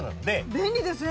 便利ですね。